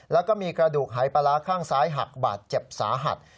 แล้วก็มีกระดูกหายปลาร้าข้างซ้ายหักบาดเจ็บสาหัส